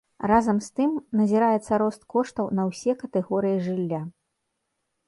Разам з тым, назіраецца рост коштаў на ўсе катэгорыі жылля.